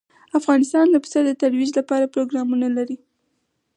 افغانستان د پسه د ترویج لپاره پروګرامونه لري.